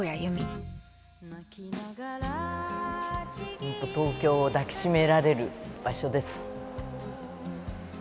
ほんと東京を抱きしめられる場所です。